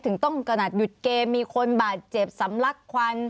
ถึงต้องขนาดหยุดเกมมีคนบาดเจ็บสำลักควัน